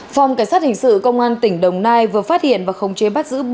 phòng cảnh sát hình sự công an tỉnh đồng nai vừa phát hiện và khống chế bắt giữ